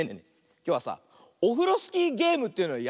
きょうはさオフロスキーゲームというのやってみるよ。